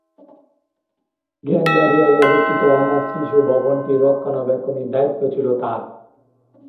গেণ্ডারিয়ায় অবস্থিত অনাথ শিশু ভবনটির রক্ষণাবেক্ষণের দায়িত্বও ছিল তার।